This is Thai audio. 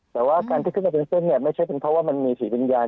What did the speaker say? แต่ว่าการที่ขึ้นมาเป็นเส้นเนี่ยไม่ใช่เป็นเพราะว่ามันมีสีวิญญาณ